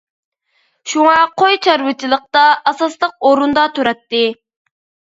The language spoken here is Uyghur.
شۇڭا قوي چارۋىچىلىقتا ئاساسلىق ئورۇندا تۇراتتى.